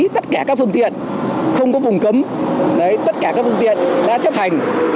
tất cả các phương tiện không có vùng cấm tất cả các phương tiện đã chấp hành